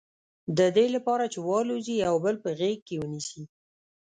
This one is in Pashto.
د دې لپاره چې والوزي یو بل په غېږ کې ونیسي.